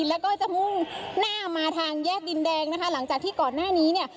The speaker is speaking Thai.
แล้วก็จะมุ่งหน้ามาทางแยกดินแดงนะคะหลังจากที่ก่อนหน้านี้เนี่ย